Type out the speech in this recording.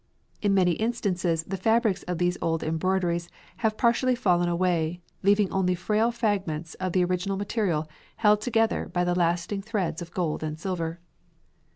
In many instances the fabrics of these old embroideries have partly fallen away, leaving only frail fragments of the original material held together by the lasting threads of gold and silver.